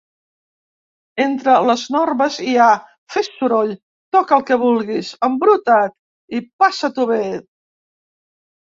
Entre les normes hi ha "fes soroll", "toca el que vulguis", "embruta't" i "passa't-ho bé".